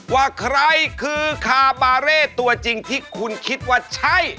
ว่าใครคือคาบาเร่ตัวจริงที่คุณคิดว่าใช่